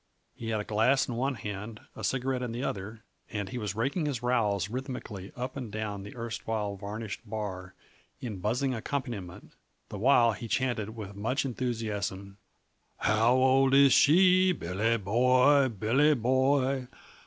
He had a glass in one hand, a cigarette in the other, and he was raking his rowels rhythmically up and down the erstwhile varnished bar in buzzing accompaniment, the while he chanted with much enthusiasm: "How old is she, Billy boy, Billy boy?